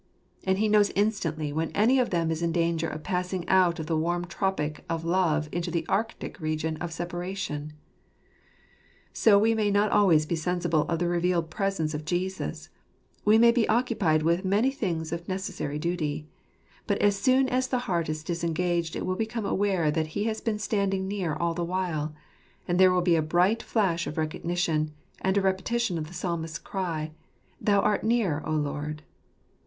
And he knows instantly when any of them is in danger of passing out of the warm tropic of love into the arctic region of separation. So we may not always be sensible of the revealed presence of Jesus ; we may be occupied with many things of necessary duty —* but as soon as the heart is disengaged it will become aware that He has been standing near all the while ; and there will be a bright flash of recognition, and a repetition of the Psalmist's cry, "Thou art near, O Lord!"